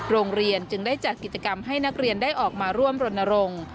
โรงเรียนจึงได้จัดกิจกรรมให้นักเรียนได้ออกมาร่วมรณรงค์